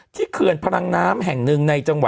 ที่เคลื่อนพลังน้ำแห่งหนึ่ง